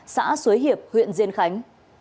xã xuế hiệp huyện diên khánh